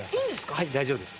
はい大丈夫です。